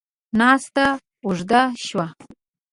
ناسته اوږده شوه.